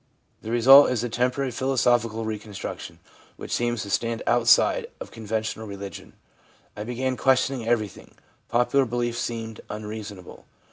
The result is a temporary philosophical reconstruction, which seems to stand outside of conventional religion. ' I began questioning everything. Popular beliefs seemed unreasonable.